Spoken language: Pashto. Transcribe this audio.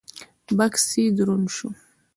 بکس يې دروند شو.